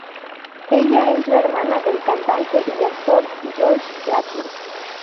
Ella es la hermana del cantante y actor Josh Keaton.